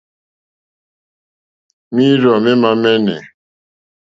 Mǐrzɔ̀ mémá mɛ́nɛ̌.